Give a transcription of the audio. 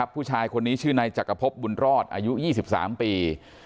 ผู้ชายคนนี้ชื่อนายจักรพบบุญรอดอายุ๒๓ปี